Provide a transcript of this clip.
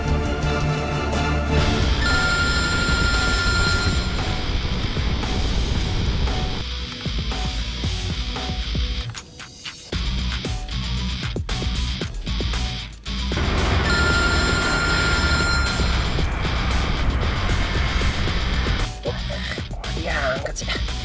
oh ya enggak